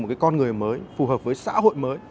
một cái con người mới phù hợp với xã hội mới